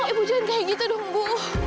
ibu jangan kayak gitu dong ibu